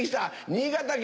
新潟県